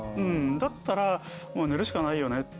だったら寝るしかないよね。